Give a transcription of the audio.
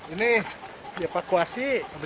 ini di evakuasi